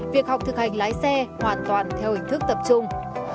việc học thực hành lái xe hoàn toàn theo hình thức tập trung